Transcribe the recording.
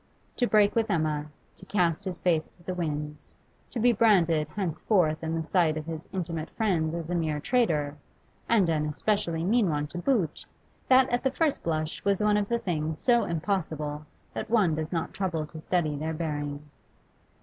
To break with Emma, to cast his faith to the winds, to be branded henceforth in the sight of his intimate friends as a mere traitor, and an especially mean one to boot that at the first blush was of the things so impossible that one does not trouble to study their bearings.